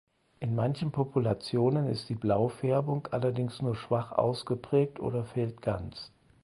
In manchen Populationen ist die Blaufärbung allerdings nur schwach ausgeprägt oder fehlt ganz.